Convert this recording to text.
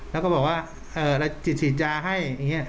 แล้วก็บอกว่าฉีดยาให้